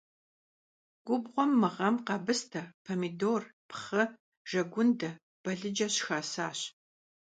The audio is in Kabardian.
Gubğuem mı ğem khebıste, pomidor, pxhı, jjegunde, balıce şıxasaş.